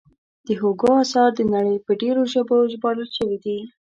د هوګو اثار د نړۍ په ډېرو ژبو ژباړل شوي دي.